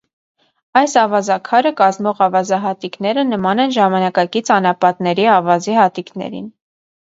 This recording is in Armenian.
Այս ավազաքարը կազմող ավազահատիկները նման են ժամանակակից անապատների ավազի հատիկներին։